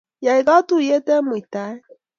Yai katuiyet eng muitaet